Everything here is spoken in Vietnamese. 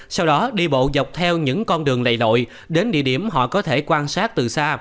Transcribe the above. sau đó đi bộ dọc theo những con đường lầy lội đến địa điểm họ có thể quan sát từ xa